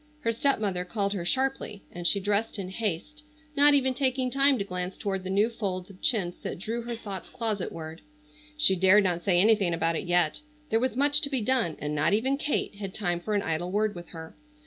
Her stepmother called her sharply and she dressed in haste, not even taking time to glance toward the new folds of chintz that drew her thoughts closetward. She dared not say anything about it yet. There was much to be done, and not even Kate had time for an idle word with her.